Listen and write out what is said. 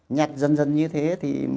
nhặt dần dần như thế thì